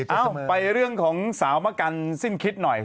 ไปเรื่องของสาวมะกันสิ้นคิดหน่อย